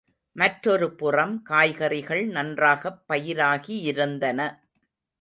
மற்றொரு புறம் காய்கறிகள் நன்றாகப் பயிராகியிருந்தன.